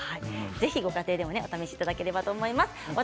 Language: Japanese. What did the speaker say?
ぜひご家庭でもお試しいただければと思います。